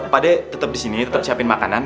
pak d tetep disini tetep siapin makanan